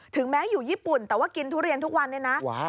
แม้อยู่ญี่ปุ่นแต่ว่ากินทุเรียนทุกวันเนี่ยนะ